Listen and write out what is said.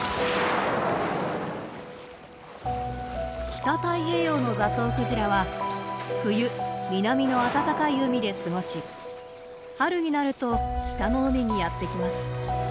北太平洋のザトウクジラは冬南の暖かい海で過ごし春になると北の海にやって来ます。